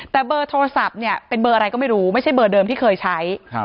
แต่เบอร์โทรศัพท์เนี่ยเป็นเบอร์อะไรก็ไม่รู้ไม่ใช่เบอร์เดิมที่เคยใช้